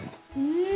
うん！